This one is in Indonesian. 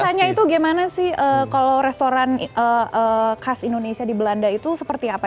rasanya itu gimana sih kalau restoran khas indonesia di belanda itu seperti apa